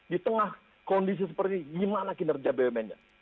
di tengah kondisi seperti gimana kinerja bumn nya